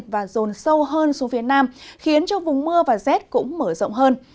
và dồn sâu hơn xuống phía nam khiến vùng mưa và rét cũng mở rộng hơn